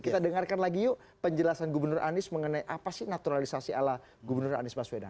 kita dengarkan lagi yuk penjelasan gubernur anies mengenai apa sih naturalisasi ala gubernur anies baswedan